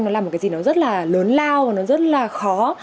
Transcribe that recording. nó làm một cái gì nó rất là lớn lao và nó rất là khó